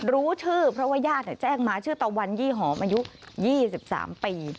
รู้ชื่อเพราะว่าญาติแจ้งมาชื่อตะวันยี่หอมอายุ๒๓ปี